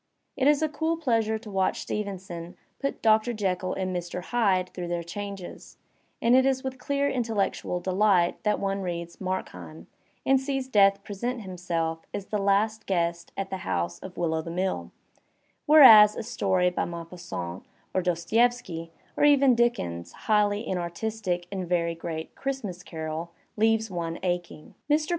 It is a cool pleasure to watch Stevenson put Doctor Jekyll and Mr. Hyde through their changes, and it is with dear intellectual delight that one reads ^^Markheim" and sees Death present himself as the last guest at the house of "Will o' the Mill"; whereas a story by Maupassant or Dostolevski, or even Dickens's highly inartistic and very great "Christmas Carol," leaves one aching. Mr.